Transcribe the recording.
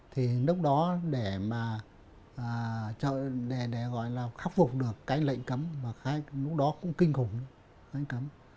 thì lúc đó để khắc phục được cái lệnh cấm và lúc đó cũng kinh khủng lệnh cấm